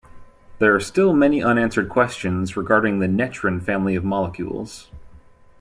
There are still many unanswered questions regarding the netrin family of molecules.